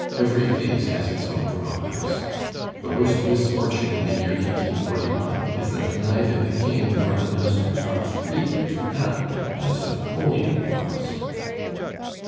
Every phase has its own drawbacks. The worst misfortunes in the year 1841 is that neither the King nor the ministers are free to act as Napoleon was."